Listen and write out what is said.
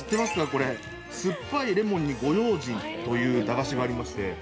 すっぱいレモンにご用心！という駄菓子がありまして。